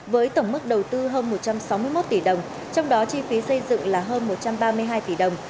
với tổng mức đầu tư hơn một trăm sáu mươi một tỷ đồng trong đó chi phí xây dựng là hơn một trăm ba mươi hai tỷ đồng